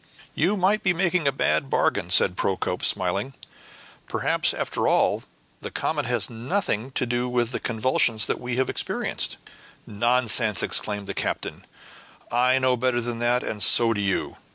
"You might be making a bad bargain," said Procope, smiling. "Perhaps after all the comet has had nothing to do with the convulsion that we have experienced." "Nonsense!" exclaimed the captain; "I know better than that, and so do you.